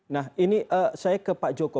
nah ini saya ke pak joko